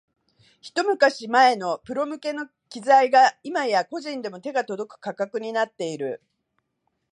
ひと昔前のプロ向けの機材が今や個人でも手が届く価格になっている